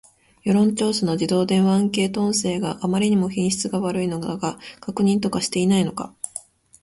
世論調査の自動電話アンケート音声があまりにも品質悪いのだが、確認とかしていないのか